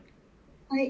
「はい」